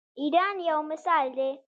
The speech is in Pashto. ایران یو مثال دی.